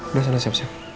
udah sana siap siap